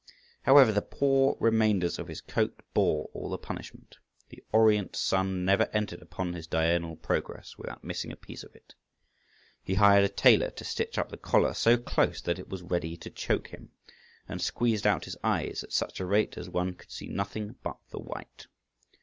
However, the poor remainders of his coat bore all the punishment. The orient sun never entered upon his diurnal progress without missing a piece of it. He hired a tailor to stitch up the collar so close that it was ready to choke him, and squeezed out his eyes at such a rate as one could see nothing but the white.